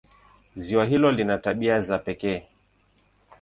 Ziwa hilo lina tabia za pekee.